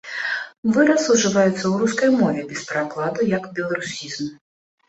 Выраз ужываецца ў рускай мове без перакладу, як беларусізм.